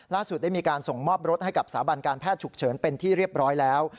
ได้มีการส่งมอบรถให้กับสาบันการแพทย์ฉุกเฉินเป็นที่เรียบร้อยแล้ว